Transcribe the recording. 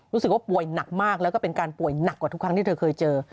รู้สึกว่าป่วยหนักมากแล้วก็เป็นการป่วยหนักกว่าทุกครั้งที่เธอเคยเจอ